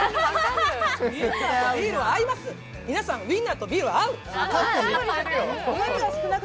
皆さん、ウインナーとビールは合う！